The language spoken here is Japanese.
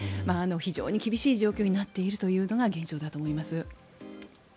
非常に厳しい状況になっているのが現状だと思います。